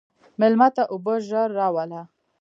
مېلمه ته اوبه ژر راوله.